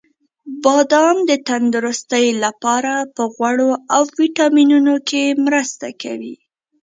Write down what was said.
• بادام د تندرستۍ لپاره په غوړو او ویټامینونو کې مرسته کوي.